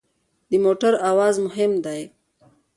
د موټر اواز مهم دی.